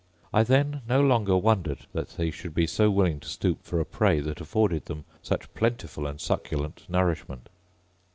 I then no longer wondered that they should be so willing to stoop for a prey that afforded them such plentiful and succulent nourishment.